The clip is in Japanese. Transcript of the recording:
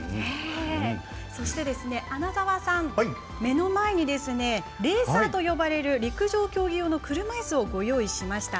そして、穴澤さん目の前にレーサーと呼ばれる陸上競技用の車いすをご用意しました。